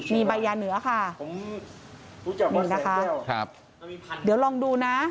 มีใบยาเหนือค่ะนี่นะคะครับเดี๋ยวลองดูนะ